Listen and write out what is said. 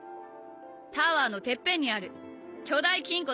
タワーのてっぺんにある巨大金庫の鍵よ。